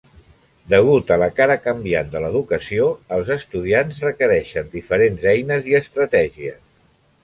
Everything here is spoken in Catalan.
Degut a la cara canviant de l'educació, els estudiants requereixen diferents eines i estratègies.